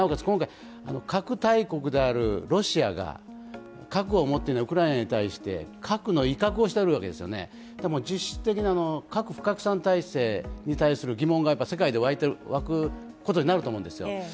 今回、核大国であるロシアが核を持っていないウクライナに対して、核の威嚇をしてるわけですよね、実質的な核不拡散体制に対する疑問が世界で湧くことになると思うんですよ。